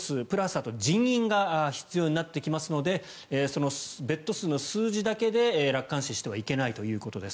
あと人員が必要になってきますのでそのベッド数の数字だけで楽観視してはいけないということです。